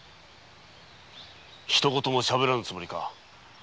ひと言もしゃべらぬつもりか？